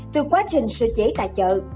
từ quá trình sơ chế tại chợ